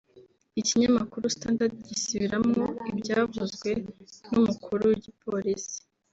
Ikinyamakuru Standard gisubiramwo ivyavuzwe n'umukuru w'igipolisi